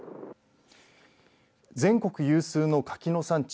全国有数の柿の産地